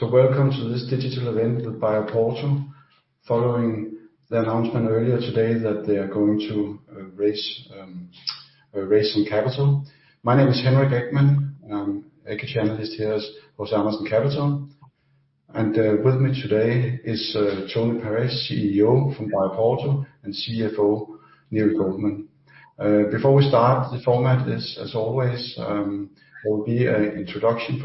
Welcome to this digital event with BioPorto. Following the announcement earlier today that they are going to raise some capital. My name is Henrik Ekman. I'm Equity Analyst here at Saxo Bank Capital. With me today is Tony Pare, CEO from BioPorto, and CFO, Neil Goldman. Before we start, the format is as always will be a introduction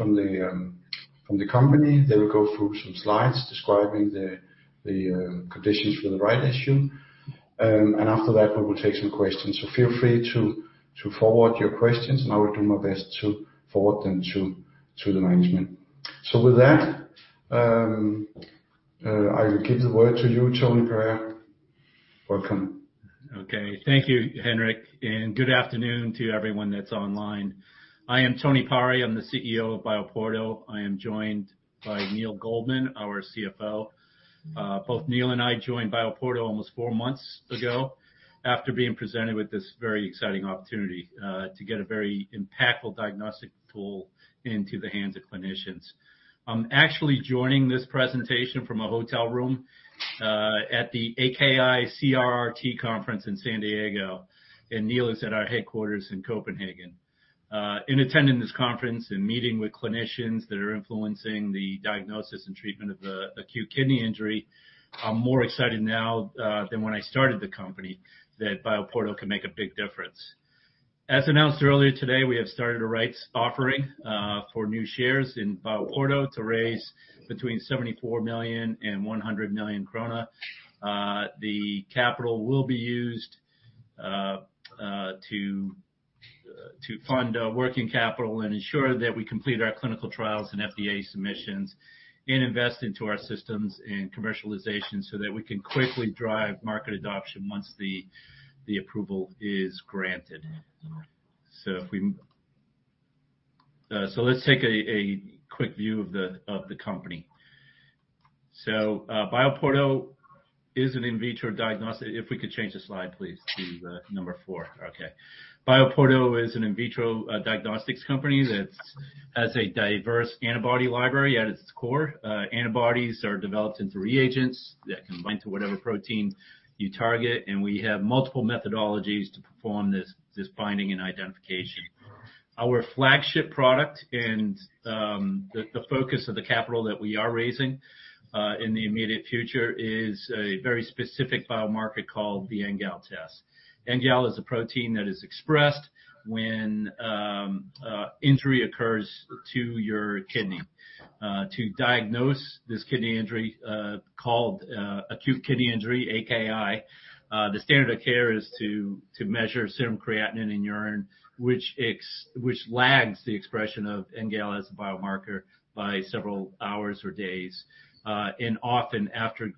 from the company. They will go through some slides describing the conditions for the rights issue. After that, we will take some questions. Feel free to forward your questions, and I will do my best to forward them to the management. With that, I will give the word to you, Tony Pare. Welcome. Okay. Thank you, Henrik, and good afternoon to everyone that's online. I am Tony Pare. I'm the CEO of BioPorto. I am joined by Neil Goldman, our CFO. Both Neil and I joined BioPorto almost four months ago after being presented with this very exciting opportunity to get a very impactful diagnostic tool into the hands of clinicians. I'm actually joining this presentation from a hotel room at the AKI CRRT conference in San Diego, and Neil is at our headquarters in Copenhagen. In attending this conference and meeting with clinicians that are influencing the diagnosis and treatment of the acute kidney injury, I'm more excited now than when I started the company that BioPorto can make a big difference. As announced earlier today, we have started a rights offering for new shares in BioPorto to raise between 74 million and 100 million krone. The capital will be used to fund working capital and ensure that we complete our clinical trials and FDA submissions and invest into our systems and commercialization so that we can quickly drive market adoption once the approval is granted. Let's take a quick view of the company. If we could change the slide, please, to the number four. Okay. BioPorto is an in vitro diagnostics company that has a diverse antibody library at its core. Antibodies are developed into reagents that can bind to whatever protein you target, and we have multiple methodologies to perform this binding and identification. Our flagship product and the focus of the capital that we are raising in the immediate future is a very specific biomarker called the NGAL test. NGAL is a protein that is expressed when injury occurs to your kidney. To diagnose this kidney injury called acute kidney injury, AKI, the standard of care is to measure serum creatinine in urine, which lags the expression of NGAL as a biomarker by several hours or days, and often after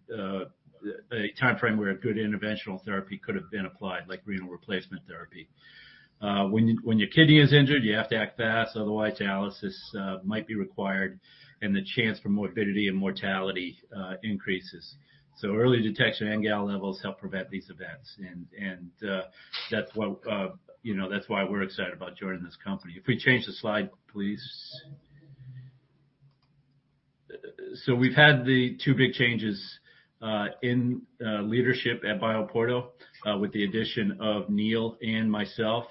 a timeframe where a good interventional therapy could have been applied, like renal replacement therapy. When your kidney is injured, you have to act fast, otherwise dialysis might be required and the chance for morbidity and mortality increases. Early detection of NGAL levels help prevent these events and that's what you know that's why we're excited about joining this company. If we change the slide, please. We've had the two big changes in leadership at BioPorto with the addition of Neil and myself.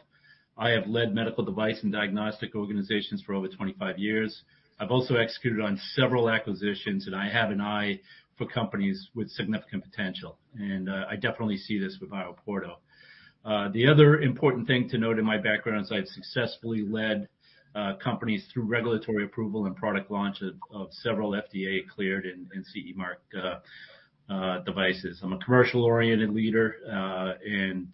I have led medical device and diagnostic organizations for over 25 years. I've also executed on several acquisitions, and I have an eye for companies with significant potential, and I definitely see this with BioPorto. The other important thing to note in my background is I've successfully led companies through regulatory approval and product launch of several FDA-cleared and CE mark devices. I'm a commercial-oriented leader, and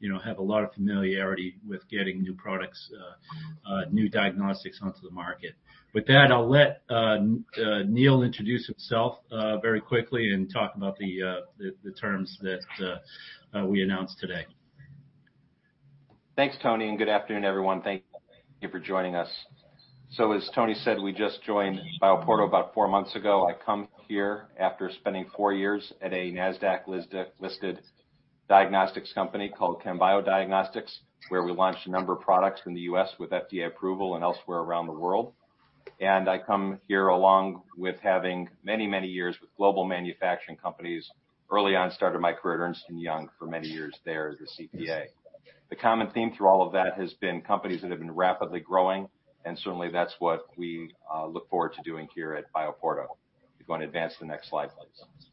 you know, have a lot of familiarity with getting new products, new diagnostics onto the market. With that, I'll let Neil introduce himself very quickly and talk about the terms that we announced today. Thanks, Tony, and good afternoon, everyone. Thank you for joining us. As Tony said, we just joined BioPorto about four months ago. I come here after spending four years at a Nasdaq-listed diagnostics company called Chembio Diagnostics, where we launched a number of products in the US with FDA approval and elsewhere around the world. I come here along with having many, many years with global manufacturing companies. Early on, I started my career at Ernst & Young for many years there as a CPA. The common theme through all of that has been companies that have been rapidly growing, and certainly that's what we look forward to doing here at BioPorto. If you wanna advance to the next slide, please.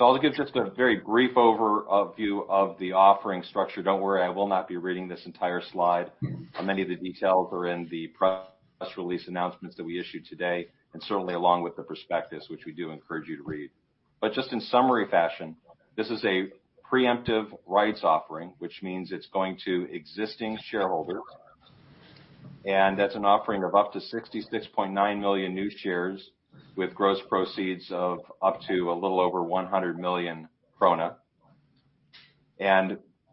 I'll give just a very brief overview of the offering structure. Don't worry, I will not be reading this entire slide. Many of the details are in the press release announcements that we issued today and certainly along with the prospectus, which we do encourage you to read. Just in summary fashion, this is a preemptive rights offering, which means it's going to existing shareholders, and that's an offering of up to 66.9 million new shares with gross proceeds of up to a little over 100 million krone.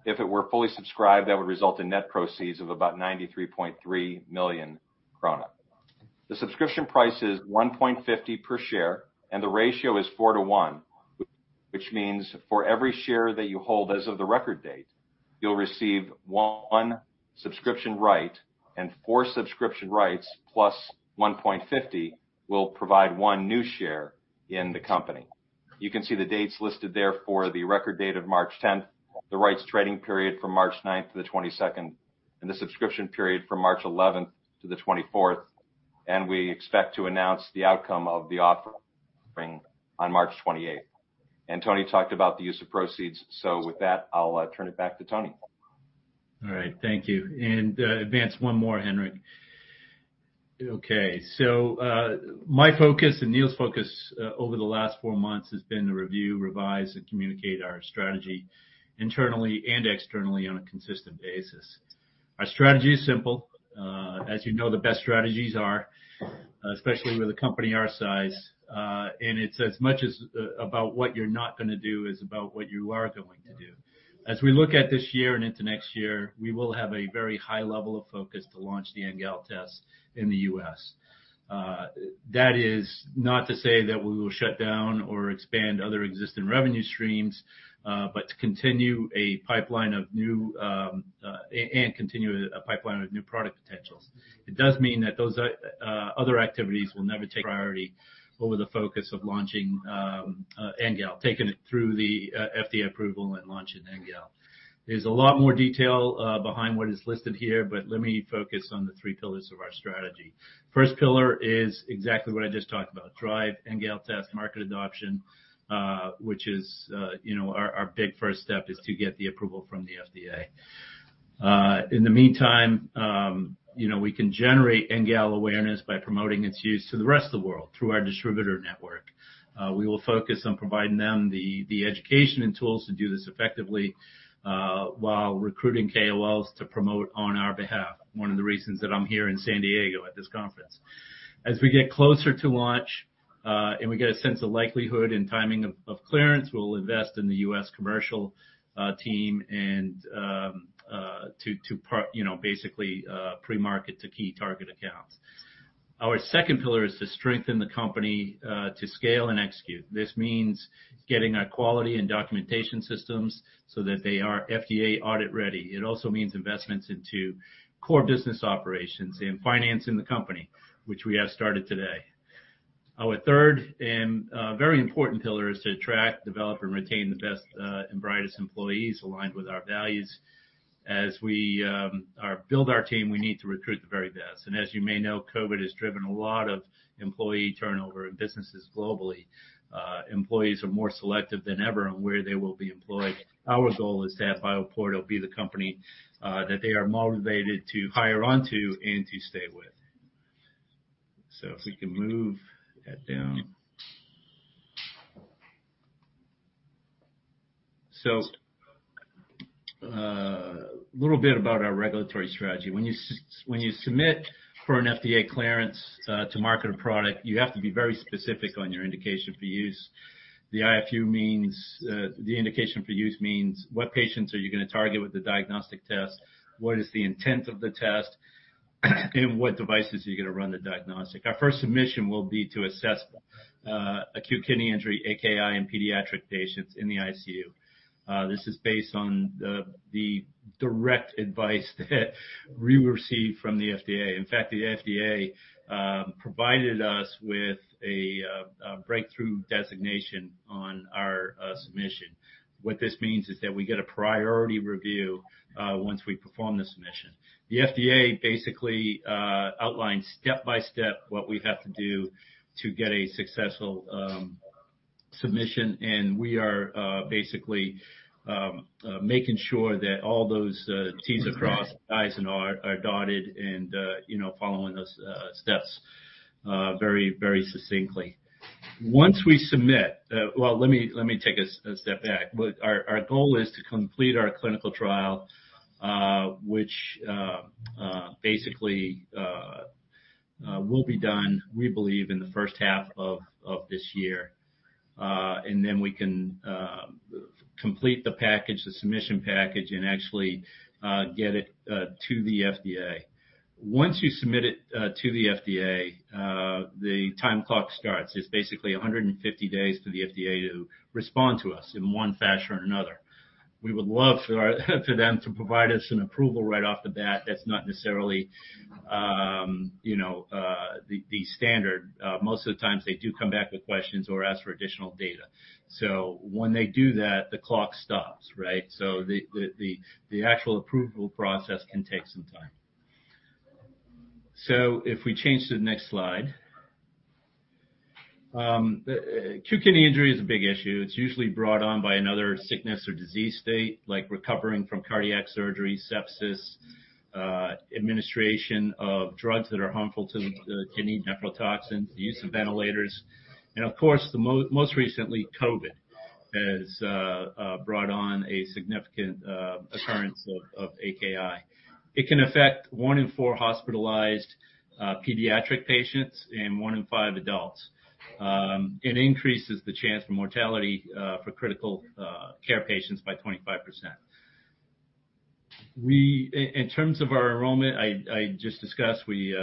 If it were fully subscribed, that would result in net proceeds of about 93.3 million krone. The subscription price is 1.50 per share, and the ratio is four to one. Which means for every share that you hold as of the record date, you'll receive one subscription right and four subscription rights plus 1.50 will provide one new share in the company. You can see the dates listed there for the record date of March 10th, the rights trading period from March 9th to the 22nd, and the subscription period from March 11th to the 24th. We expect to announce the outcome of the offering on March 28th. Tony talked about the use of proceeds. With that, I'll turn it back to Tony. All right. Thank you. Advance one more, Henrik. Okay. My focus and Neil's focus over the last four months has been to review, revise, and communicate our strategy internally and externally on a consistent basis. Our strategy is simple, as you know, the best strategies are, especially with a company our size, and it's as much as about what you're not gonna do as about what you are going to do. As we look at this year and into next year, we will have a very high level of focus to launch the NGAL test in the U.S. That is not to say that we will shut down or expand other existing revenue streams, but to continue a pipeline of new, and continue a pipeline with new product potentials. It does mean that those other activities will never take priority over the focus of launching NGAL, taking it through the FDA approval and launching NGAL. There's a lot more detail behind what is listed here, but let me focus on the three pillars of our strategy. First pillar is exactly what I just talked about, drive NGAL test market adoption, which is you know, our big first step is to get the approval from the FDA. In the meantime, you know, we can generate NGAL awareness by promoting its use to the rest of the world through our distributor network. We will focus on providing them the education and tools to do this effectively, while recruiting KOLs to promote on our behalf. One of the reasons that I'm here in San Diego at this conference. As we get closer to launch, and we get a sense of likelihood and timing of clearance, we'll invest in the U.S. commercial team and you know, basically, pre-market to key target accounts. Our second pillar is to strengthen the company, to scale and execute. This means getting our quality and documentation systems so that they are FDA audit ready. It also means investments into core business operations and financing the company, which we have started today. Our third and very important pillar is to attract, develop, and retain the best and brightest employees aligned with our values. As we build our team, we need to recruit the very best. As you may know, COVID has driven a lot of employee turnover in businesses globally. Employees are more selective than ever on where they will be employed. Our goal is to have BioPorto be the company that they are motivated to hire onto and to stay with. If we can move that down. A little bit about our regulatory strategy. When you submit for an FDA clearance to market a product, you have to be very specific on your indication for use. The IFU means the indication for use means what patients are you gonna target with the diagnostic test? What is the intent of the test? And what devices are you gonna run the diagnostic? Our first submission will be to assess acute kidney injury, AKI, in pediatric patients in the ICU. This is based on the direct advice that we received from the FDA. In fact, the FDA provided us with a breakthrough designation on our submission. What this means is that we get a priority review once we perform the submission. The FDA basically outlines step by step what we have to do to get a successful submission, and we are basically making sure that all those T's are crossed and I's are dotted, you know, following those steps very succinctly. Once we submit, well, let me take a step back. Our goal is to complete our clinical trial, which basically will be done, we believe, in the first half of this year. We can complete the package, the submission package, and actually get it to the FDA. Once you submit it to the FDA, the time clock starts. It's basically 150 days for the FDA to respond to us in one fashion or another. We would love for them to provide us an approval right off the bat. That's not necessarily you know the standard. Most of the times they do come back with questions or ask for additional data. When they do that, the clock stops, right? The actual approval process can take some time. If we change to the next slide. Acute kidney injury is a big issue. It's usually brought on by another sickness or disease state, like recovering from cardiac surgery, sepsis, administration of drugs that are harmful to the kidney, nephrotoxins, the use of ventilators, and of course, the most recently, COVID has brought on a significant occurrence of AKI. It can affect one in four hospitalized pediatric patients and one in five adults. It increases the chance for mortality for critical care patients by 25%. In terms of our enrollment, as I just discussed, we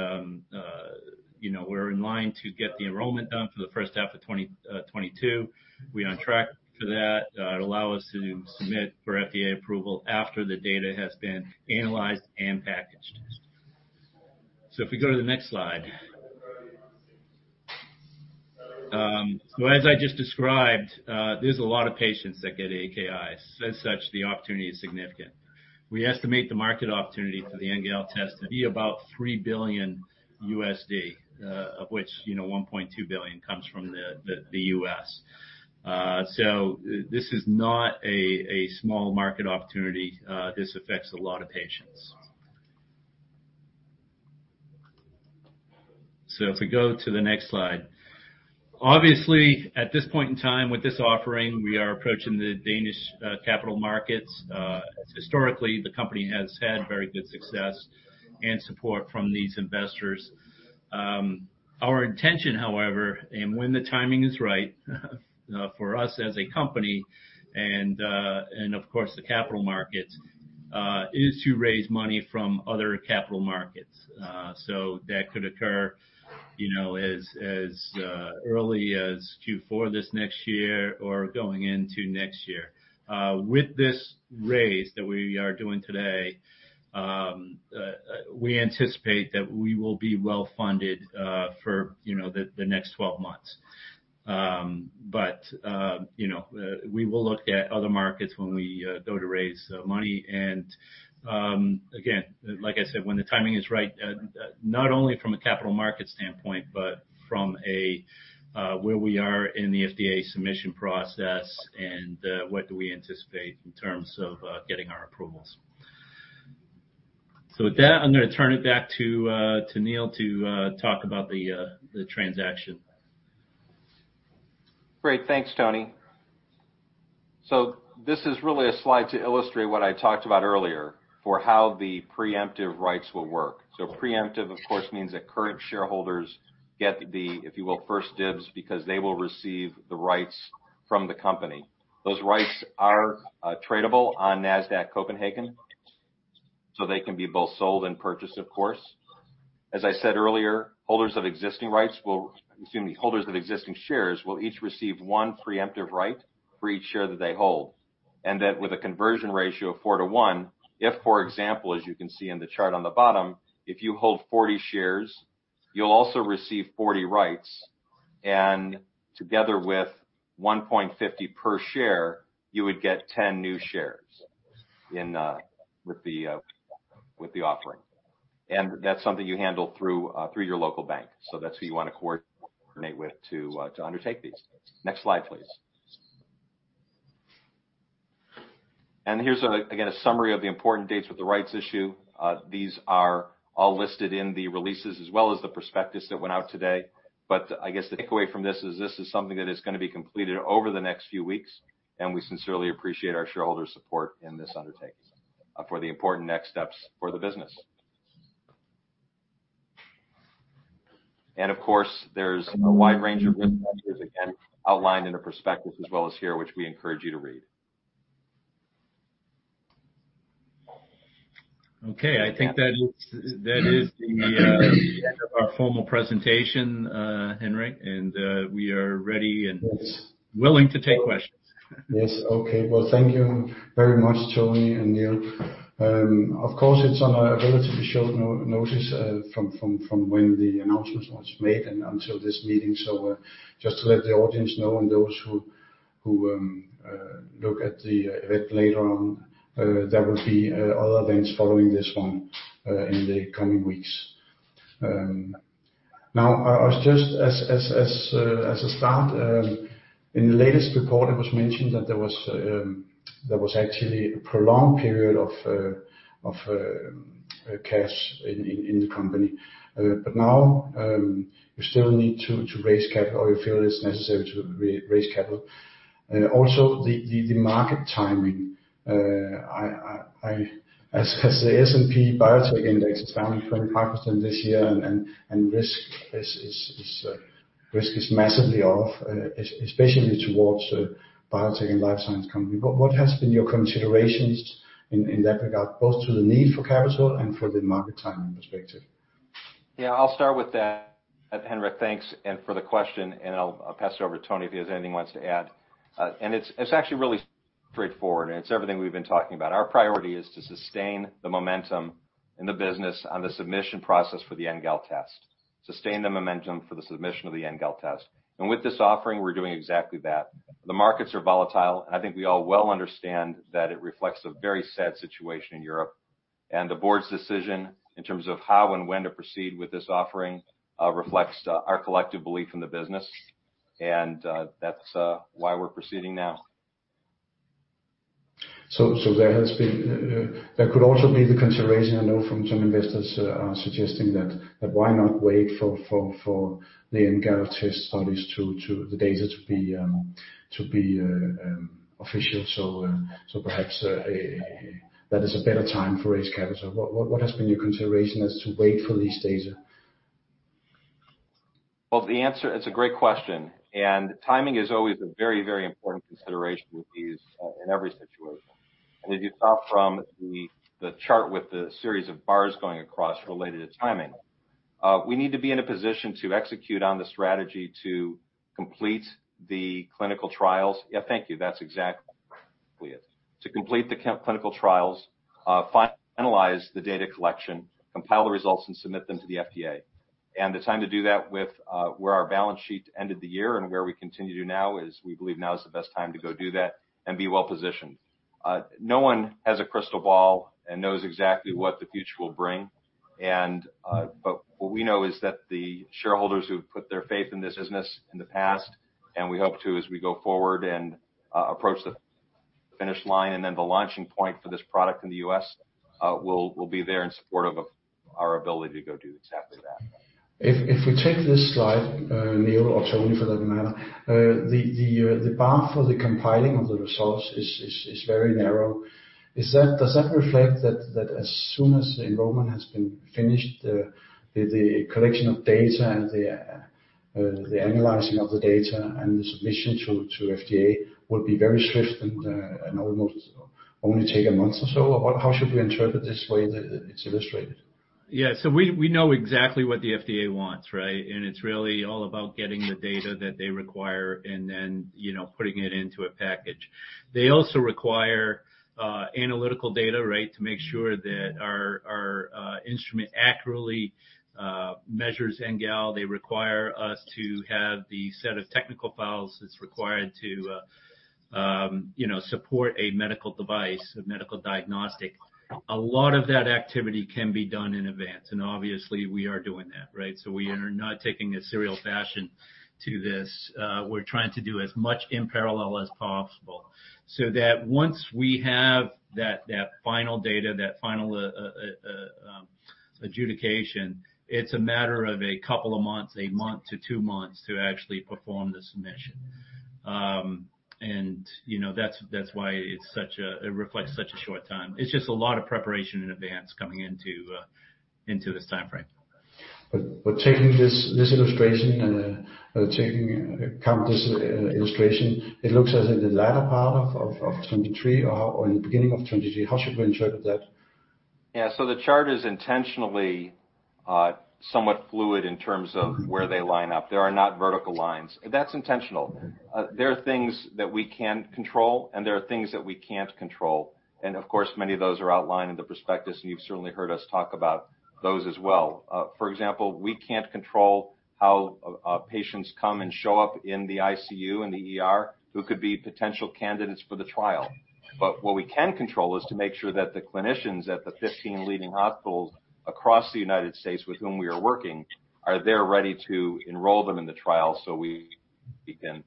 you know we're in line to get the enrollment done for the first half of 2022. We're on track for that. It'll allow us to submit for FDA approval after the data has been analyzed and packaged. If we go to the next slide. As I just described, there's a lot of patients that get AKIs. As such, the opportunity is significant. We estimate the market opportunity for the NGAL test to be about $3 billion, of which, you know, $1.2 billion comes from the U.S. This is not a small market opportunity. This affects a lot of patients. If we go to the next slide. Obviously, at this point in time with this offering, we are approaching the Danish capital markets. Historically, the company has had very good success and support from these investors. Our intention, however, and when the timing is right, for us as a company and of course the capital markets, is to raise money from other capital markets. That could occur, you know, as early as Q4 this next year or going into next year. With this raise that we are doing today, we anticipate that we will be well-funded, you know, for the next 12 months. You know, we will look at other markets when we go to raise money. Again, like I said, when the timing is right, not only from a capital market standpoint, but from a where we are in the FDA submission process and what do we anticipate in terms of getting our approvals. With that, I'm gonna turn it back to Neil to talk about the transaction. Great. Thanks, Tony. This is really a slide to illustrate what I talked about earlier for how the preemptive rights will work. Preemptive, of course, means that current shareholders get the, if you will, first dibs because they will receive the rights from the company. Those rights are tradable on Nasdaq Copenhagen, so they can be both sold and purchased, of course. As I said earlier, holders of existing shares will each receive one preemptive right for each share that they hold, and that with a conversion ratio of four to one, if, for example, as you can see in the chart on the bottom, if you hold 40 shares, you'll also receive 40 rights, and together with 1.50 per share, you would get 10 new shares in with the offering. That's something you handle through your local bank. That's who you wanna coordinate with to undertake these. Next slide, please. Here's, again, a summary of the important dates with the rights issue. These are all listed in the releases as well as the prospectus that went out today. I guess the takeaway from this is, this is something that is gonna be completed over the next few weeks, and we sincerely appreciate our shareholders' support in this undertaking for the important next steps for the business. Of course, there's a wide range of risk factors, again, outlined in a prospectus as well as here, which we encourage you to read. Okay. I think that is the end of our formal presentation, Henrik, and we are ready and willing to take questions. Yes. Okay. Well, thank you very much, Tony and Neil. Of course, it's on a relatively short notice from when the announcement was made and until this meeting. Just to let the audience know and those who look at the event later on, there will be other events following this one in the coming weeks. Now I was just as a start, in the latest report, it was mentioned that there was actually a prolonged period of cash in the company. Now, you still need to raise capital or you feel it's necessary to raise capital. Also the market timing, as the S&P Biotech Index is down 25% this year and risk is massively off, especially towards biotech and life science company. What has been your considerations in that regard, both to the need for capital and for the market timing perspective? Yeah. I'll start with that, Henrik, thanks and for the question, and I'll pass it over to Tony if he has anything he wants to add. It's actually really straightforward, and it's everything we've been talking about. Our priority is to sustain the momentum in the business on the submission process for the NGAL test, sustain the momentum for the submission of the NGAL test. With this offering, we're doing exactly that. The markets are volatile, and I think we all understand well that it reflects a very sad situation in Europe. The board's decision in terms of how and when to proceed with this offering reflects our collective belief in the business, and that's why we're proceeding now. There could also be the consideration I know from some investors suggesting that why not wait for the NGAL test studies until the data to be official. Perhaps that is a better time to raise capital. What has been your consideration as to wait for these data? Well, the answer is a great question, and timing is always a very, very important consideration with these in every situation. As you saw from the chart with the series of bars going across related to timing, we need to be in a position to execute on the strategy to complete the clinical trials. Yeah, thank you. That's exactly it. To complete the clinical trials, analyze the data collection, compile the results, and submit them to the FDA. The time to do that with where our balance sheet ended the year and where we continue to now is we believe now is the best time to go do that and be well-positioned. No one has a crystal ball and knows exactly what the future will bring. What we know is that the shareholders who've put their faith in this business in the past, and we hope to as we go forward and approach the finish line and then the launching point for this product in the U.S., will be there in support of our ability to go do exactly that. If we take this slide, Neil or Tony, for that matter, the bar for the compiling of the results is very narrow. Is that? Does that reflect that as soon as the enrollment has been finished, the collection of data and the analyzing of the data and the submission to FDA will be very swift and almost only take a month or so? Or how should we interpret this way that it's illustrated? Yeah. We know exactly what the FDA wants, right? And it's really all about getting the data that they require and then, you know, putting it into a package. They also require analytical data, right, to make sure that our instrument accurately measures NGAL. They require us to have the set of technical files that's required to, you know, support a medical device, a medical diagnostic. A lot of that activity can be done in advance, and obviously, we are doing that, right? We are not taking a serial fashion to this. We're trying to do as much in parallel as possible, so that once we have that final data, that final adjudication, it's a matter of a couple of months, a month to two months, to actually perform the submission. You know, that's why it reflects such a short time. It's just a lot of preparation in advance coming into this timeframe. Taking this illustration into account, it looks as if the latter part of 2023 or in the beginning of 2024. How should we interpret that? The chart is intentionally somewhat fluid in terms of where they line up. They are not vertical lines. That's intentional. There are things that we can control, and there are things that we can't control. Of course, many of those are outlined in the prospectus, and you've certainly heard us talk about those as well. For example, we can't control how patients come and show up in the ICU and the ER, who could be potential candidates for the trial. What we can control is to make sure that the clinicians at the 15 leading hospitals across the United States with whom we are working are there ready to enroll them in the trial so we can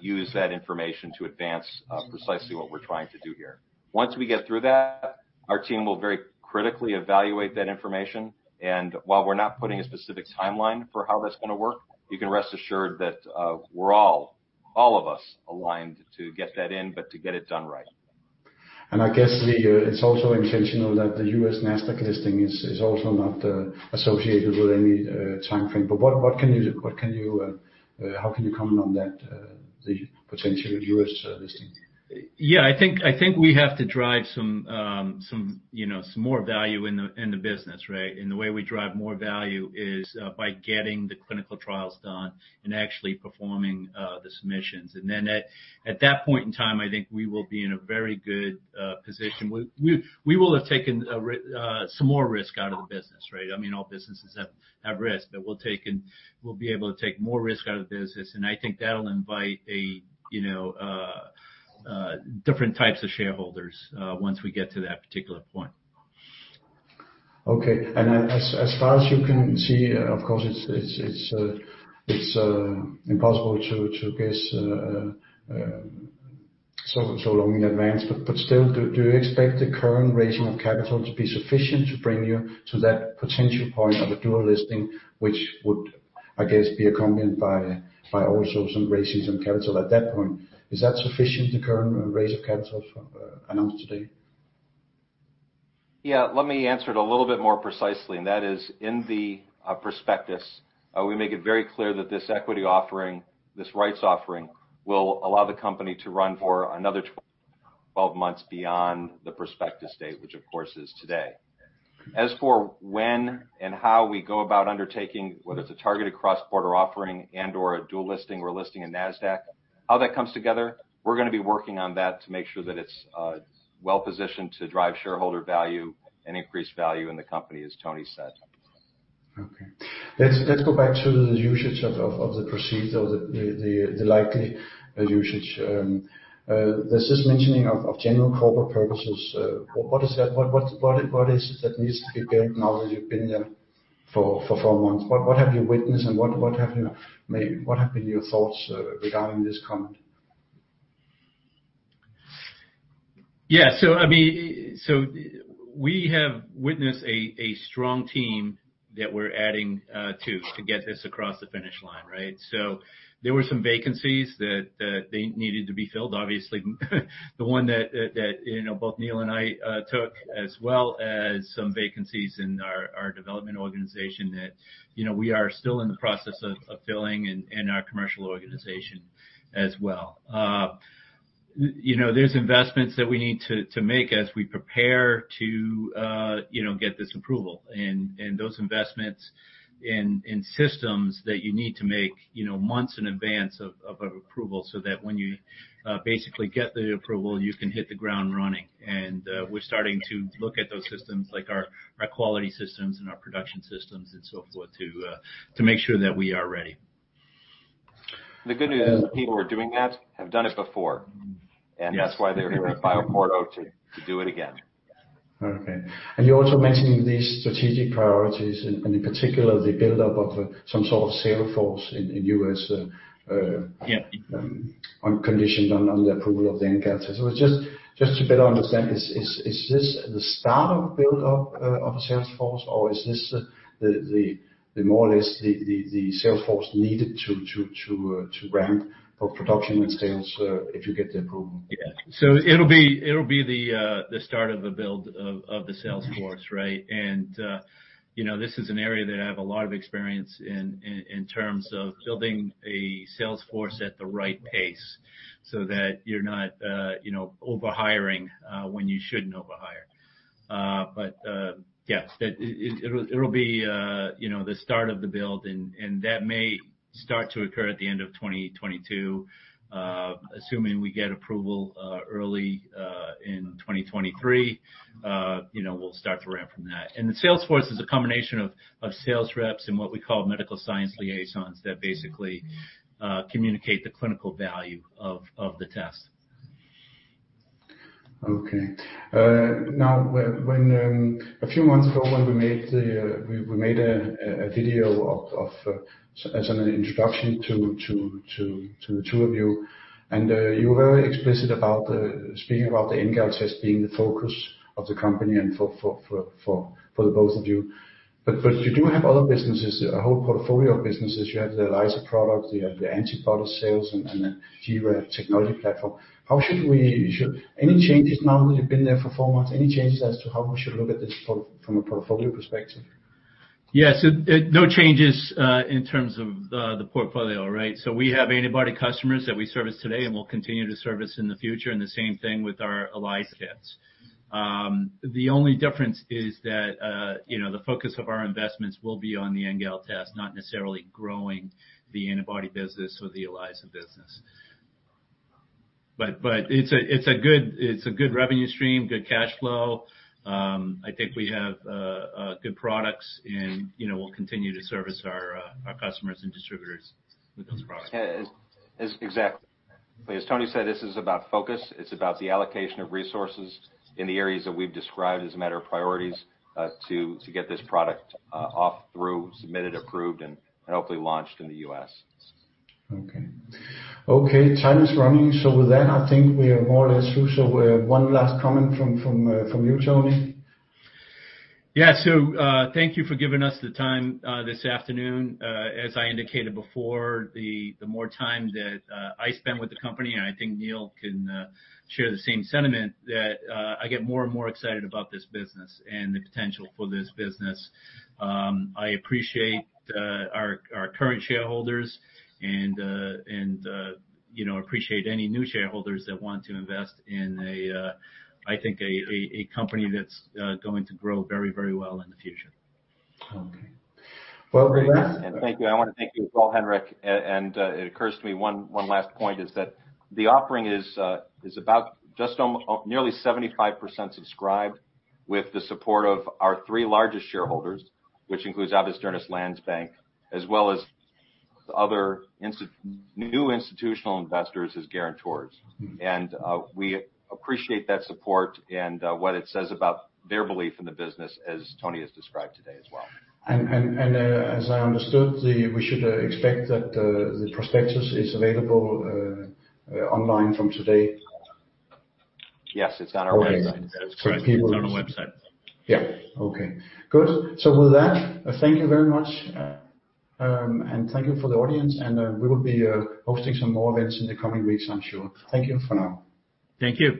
use that information to advance precisely what we're trying to do here. Once we get through that, our team will very critically evaluate that information. While we're not putting a specific timeline for how that's gonna work, you can rest assured that we're all of us aligned to get that in, but to get it done right. I guess it's also intentional that the U.S. Nasdaq listing is also not associated with any timeframe. How can you comment on that, the potential U.S. listing? Yeah. I think we have to drive some, you know, some more value in the business, right? The way we drive more value is by getting the clinical trials done and actually performing the submissions. Then at that point in time, I think we will be in a very good position. We will have taken some more risk out of the business, right? I mean, all businesses have risk, but we'll take and we'll be able to take more risk out of the business, and I think that'll invite a, you know, different types of shareholders once we get to that particular point. Okay. As far as you can see, of course, it's impossible to guess so long in advance. Still, do you expect the current raising of capital to be sufficient to bring you to that potential point of a dual listing, which would, I guess, be accompanied by also some raising capital at that point? Is that sufficient, the current raise of capital announced today? Yeah. Let me answer it a little bit more precisely, and that is in the prospectus, we make it very clear that this equity offering, this rights offering, will allow the company to run for another 12 months beyond the prospectus date, which of course is today. As for when and how we go about undertaking, whether it's a targeted cross-border offering and/or a dual listing or listing in Nasdaq, how that comes together, we're gonna be working on that to make sure that it's well-positioned to drive shareholder value and increase value in the company, as Tony said. Okay. Let's go back to the usage of the proceeds or the likely usage. There's this mentioning of general corporate purposes. What is that? What is it that needs to be built now that you've been there for four months? What have you witnessed, and what have been your thoughts regarding this comment? I mean, we have witnessed a strong team that we're adding to get this across the finish line, right? There were some vacancies that they needed to be filled, obviously. The one that you know, both Neil and I took, as well as some vacancies in our development organization that you know, we are still in the process of filling in our commercial organization as well. You know, there are investments that we need to make as we prepare to you know, get this approval and those investments in systems that you need to make you know, months in advance of approval, so that when you basically get the approval, you can hit the ground running. We're starting to look at those systems like our quality systems and our production systems and so forth, to make sure that we are ready. The good news is the people who are doing that have done it before. Yes. That's why they're here at BioPorto to do it again. Okay. You're also mentioning these strategic priorities and in particular, the build-up of some sort of sales force in U.S., on condition on the approval of the NGAL test. Just to better understand, is this the start of build-up of the sales force, or is this the more or less the sales force needed to ramp for production and sales, if you get the approval? Yeah. It'll be the start of a build of the sales force, right? You know, this is an area that I have a lot of experience in in terms of building a sales force at the right pace so that you're not you know, over-hiring when you shouldn't over-hire. It'll be the start of the build and that may start to occur at the end of 2022. Assuming we get approval early in 2023, you know, we'll start to ramp from that. The sales force is a combination of sales reps and what we call medical science liaisons that basically communicate the clinical value of the test. Okay. Now, a few months ago, when we made a video of as an introduction to the two of you, and you were very explicit about speaking about the NGAL test being the focus of the company and for the both of you. You do have other businesses, a whole portfolio of businesses. You have the ELISA product, the antibody sales, and the gRAD technology platform. Any changes now that you've been there for four months, any changes as to how we should look at this portfolio from a portfolio perspective? Yes. No changes in terms of the portfolio, right? We have antibody customers that we service today and will continue to service in the future, and the same thing with our ELISA kits. The only difference is that you know, the focus of our investments will be on the NGAL test, not necessarily growing the antibody business or the ELISA business. It's a good revenue stream, good cash flow. I think we have good products and, you know, we'll continue to service our customers and distributors with those products. Yes. Exactly. As Tony said, this is about focus. It's about the allocation of resources in the areas that we've described as a matter of priorities, to get this product submitted, approved and hopefully launched in the U.S. Okay. Time is running, so with that, I think we are more or less through. One last comment from you, Tony. Yeah. Thank you for giving us the time this afternoon. As I indicated before, the more time that I spend with the company, and I think Neil can share the same sentiment that I get more and more excited about this business and the potential for this business. I appreciate our current shareholders and you know appreciate any new shareholders that want to invest in, I think, a company that's going to grow very, very well in the future. Okay. Well, with that. Thank you. I wanna thank you as well, Henrik. It occurs to me one last point is that the offering is about just nearly 75% subscribed with the support of our three largest shareholders, which includes Arbejdernes Landsbank, as well as other new institutional investors as guarantors. Mm-hmm. We appreciate that support and what it says about their belief in the business as Tony has described today as well. As I understood, we should expect that the prospectus is available online from today? Yes. It's on our website. Okay. That is correct. It's on our website. Yeah. Okay. Good. With that, thank you very much. Thank you for the audience, and we will be hosting some more events in the coming weeks, I'm sure. Thank you for now. Thank you.